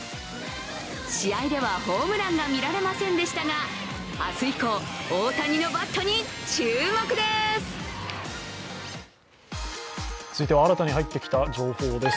試合ではホームランが見られませんでしたが明日以降、大谷のバットに注目です続いては新たに入ってきた情報です。